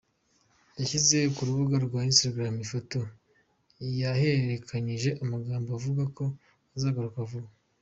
Yashyize ku rubuga rwa instagram ifoto yaherekeranyije amagambo avuga ko azagaruka vuba.